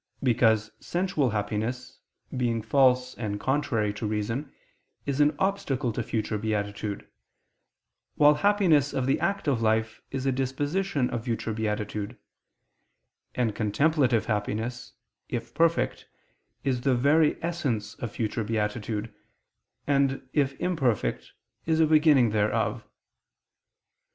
Because sensual happiness, being false and contrary to reason, is an obstacle to future beatitude; while happiness of the active life is a disposition of future beatitude; and contemplative happiness, if perfect, is the very essence of future beatitude, and, if imperfect, is a beginning thereof.